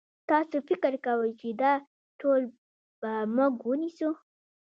تاسو فکر کوئ چې دا ټول به موږ ونیسو؟